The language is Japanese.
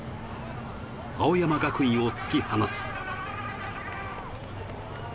青山学院を突き放す。